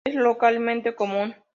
Es localmente común.